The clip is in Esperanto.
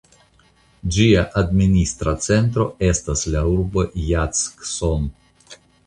Ĝia administra centro estas la urbo Jackson.